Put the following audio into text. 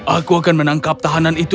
aku akan menangkap tahanan itu